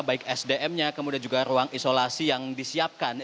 baik sdm nya kemudian juga ruang isolasi yang disiapkan